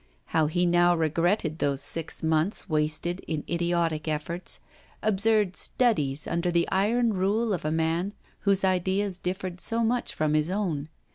How he now regretted those six months wasted in idiotic efforts, absurd 'studies,' under the iron rule of a man whose ideas differed so much from his own.